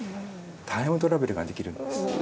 タイムトラベルができるんです。